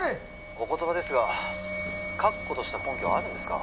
☎お言葉ですが確固とした根拠はあるんですか？